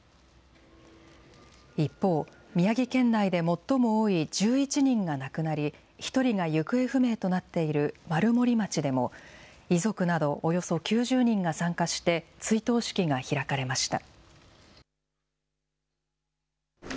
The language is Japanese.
一方、宮城県内で最も多い１１人が亡くなり１人が行方不明となっている丸森町でも遺族などおよそ９０人が参加して追悼式が開かれました。